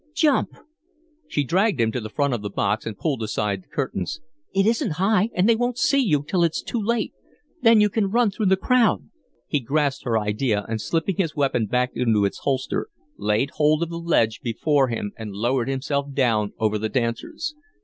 Jump." She dragged him to the front of the box and pulled aside the curtains. "It isn't high and they won't see you till it's too late. Then you can run through the crowd." He grasped her idea, and, slipping his weapon back into its holster, laid hold of the ledge before him and lowered himself down over the dancers.